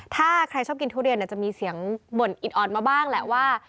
ถ้าใครชอบกินทุเรียนจะมีเสียงบ่นอิดอ่อนมาบ้างแหละว่า